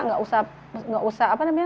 nggak usah terlalu berusaha